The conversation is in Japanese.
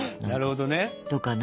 なるほどね。